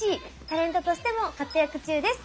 タレントとしても活躍中です。